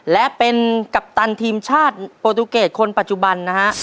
และเป็นกัปตันทีมชาติโปรตูเกตคนปัจจุบันนะฮะ